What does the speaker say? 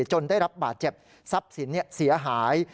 จนได้รับบาดเจ็บทรัพย์สินเสียหาย